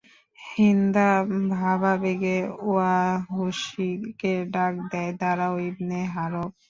হিন্দা ভাবাবেগে ওয়াহশীকে ডাক দেয় দাড়াও ইবনে হারব।